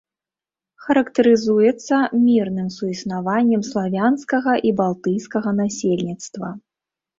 Характарызуецца мірным суіснаваннем славянскага і балтыйскага насельніцтва.